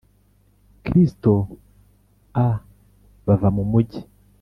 Kristo a Bava mu mugi